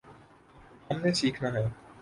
ہم نے سیکھنا ہے۔